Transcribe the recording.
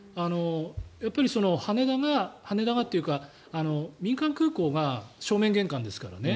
やっぱり羽田がというか民間空港が正面玄関ですからね。